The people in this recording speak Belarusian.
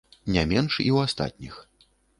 Не менш і ў астатніх.